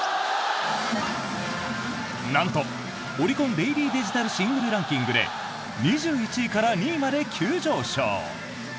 なんと、オリコンデイリーデジタルシングルランキングで２１位から２位まで急上昇！